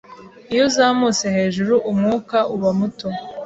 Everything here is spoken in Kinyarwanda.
Iyo uzamutse hejuru, umwuka uba muto.